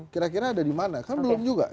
kira kira ada dimana kan belum juga